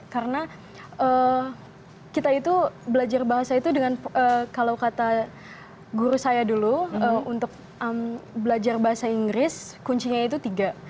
karena kita itu belajar bahasa itu dengan kalau kata guru saya dulu untuk belajar bahasa inggris kuncinya itu tiga